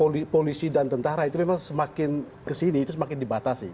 polisi dan tentara itu memang semakin kesini itu semakin dibatasi